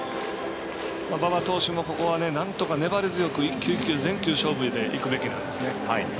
馬場投手もここはなんとか粘り強く一球一球全球勝負でいくべきなんです。